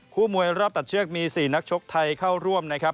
มวยรอบตัดเชือกมี๔นักชกไทยเข้าร่วมนะครับ